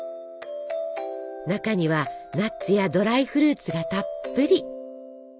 中にはナッツやドライフルーツがたっぷり。